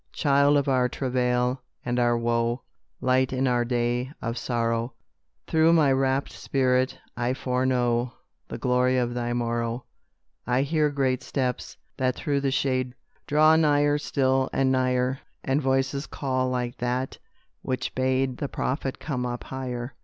"Child of our travail and our woe, Light in our day of sorrow, Through my rapt spirit I foreknow The glory of thy morrow; I hear great steps, that through the shade Draw nigher still and nigher, And voices call like that which bade The prophet come up higher."